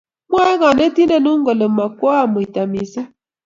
Mwoe kanetindenu kole makwoo amuite mising